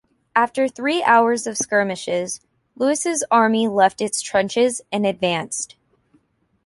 After three hours of skirmishes, Louis' army left its trenches and advanced.